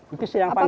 itu sedang panen